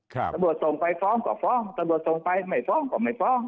ครับตระบวดส่งไปฟ้องก็ฟ้องตระบวดส่งไปไม่ฟ้องก็ไม่ฟ้อง